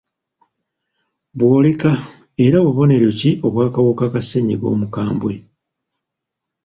Bw'oleko era Bubonero ki obw'akawuka ka ssennyiga omukambwe?